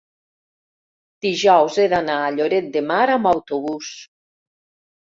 dijous he d'anar a Lloret de Mar amb autobús.